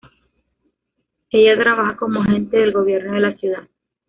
Ella trabaja como agente del gobierno de la ciudad.